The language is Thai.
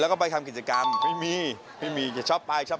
แล้วก็ไปทำกิจกรรมไม่มีชอบไปไป